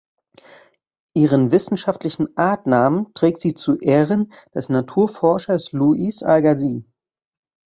Ihren wissenschaftlichen Artnamen trägt sie zu Ehren des Naturforschers Louis Agassiz.